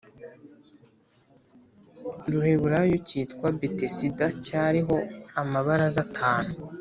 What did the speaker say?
Ruheburayo cyitwa Betesida, cyariho amabaraza atanu.